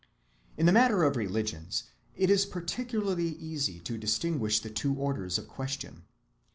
In the matter of religions it is particularly easy to distinguish the two orders of question.